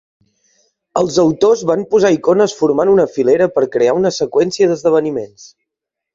Els "autors" van posar icones formant una "filera" per crear una seqüència d'esdeveniments.